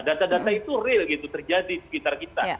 data data itu real terjadi sekitar kita